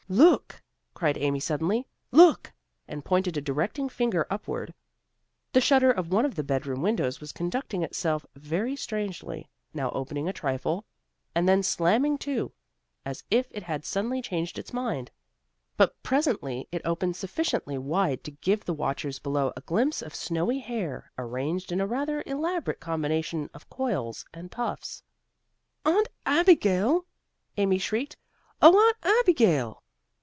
"Look!" cried Amy suddenly. "Look!" and pointed a directing finger upward. The shutter of one of the bedroom windows was conducting itself very strangely, now opening a trifle, and then slamming to as if it had suddenly changed its mind. But presently it opened sufficiently wide to give the watchers below a glimpse of snowy hair, arranged in a rather elaborate combination of coils and puffs. "Aunt Abigail!" Amy shrieked, "oh, Aunt Abigail!"